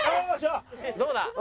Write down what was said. どうだ？